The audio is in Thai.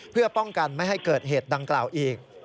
เพื่อป้องกันไม่ให้เกิดเหตุดังกล่าวอีก